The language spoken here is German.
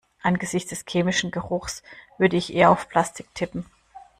Angesichts des chemischen Geruchs würde ich eher auf Plastik tippen.